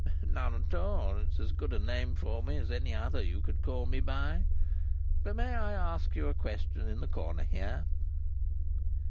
"None at all. It's as good a name for me as any other you could call me by. But may I ask you a question in the corner here?"